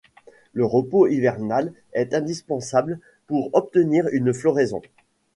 Le repos hivernal est indispensable pour obtenir une floraison.